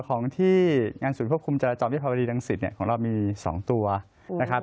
ของที่งานศูนย์ควบคุมจราจรวิภาวดีรังสิตเนี่ยของเรามี๒ตัวนะครับ